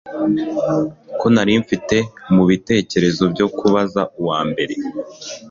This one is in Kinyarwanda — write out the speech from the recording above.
Ko nari mfite mubitekerezo byo kubaza uwambere